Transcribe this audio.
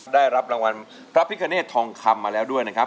ได้รับรางวัลพระพิกเนธทองคำมาแล้วด้วยนะครับ